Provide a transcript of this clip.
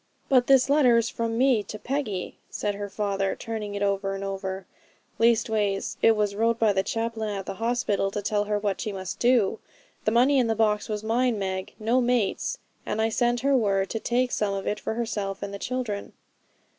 'But this letter's from me to Peggy,' said her father, turning it over and over; 'leastways it was wrote by the chaplain at the hospital, to tell her what she must do. The money in the box was mine, Meg, no mate's; and I sent her word to take some of it for herself and the children.'